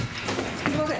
すみません！